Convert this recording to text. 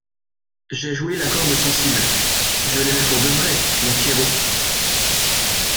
J’ai joué la corde sensible. Je l’aimais pour de vrai, mon Pierrot !